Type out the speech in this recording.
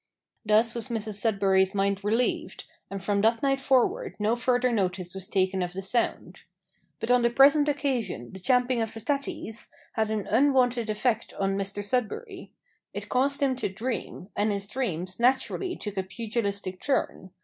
Thus was Mrs Sudberry's mind relieved, and from that night forward no further notice was taken of the sound. But on the present occasion the champing of the tatties had an unwonted effect on Mr Sudberry. It caused him to dream, and his dreams naturally took a pugilistic turn.